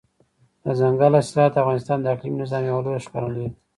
دځنګل حاصلات د افغانستان د اقلیمي نظام یوه لویه ښکارندوی ده.